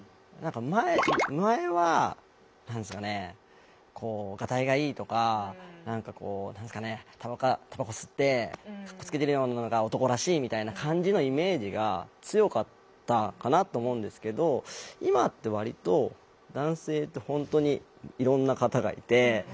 前は何ですかねガタイがいいとか何かこうたばこ吸ってかっこつけてるようなのが男らしいみたいな感じのイメージが強かったかなと思うんですけど今って割と男性って本当にいろんな方がいて。